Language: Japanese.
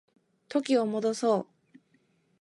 時を戻そう